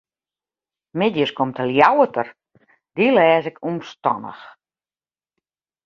Middeis komt de Ljouwerter, dy lês ik omstannich.